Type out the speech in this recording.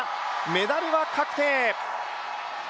メダルは確定。